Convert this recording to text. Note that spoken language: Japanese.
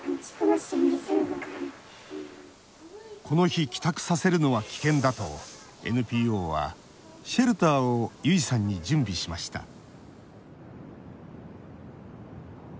この日帰宅させるのは危険だとＮＰＯはシェルターをゆいさんに準備しました。